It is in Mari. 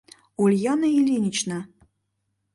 — Ульяна Ильинична!